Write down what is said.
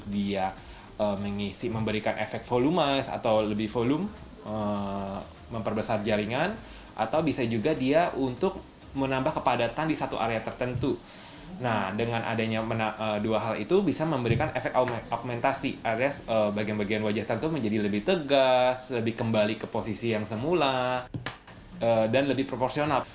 bagian bagian wajah tersebut menjadi lebih tegas lebih kembali ke posisi yang semula dan lebih proporsional